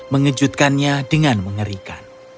mengejutkannya dengan mengerikan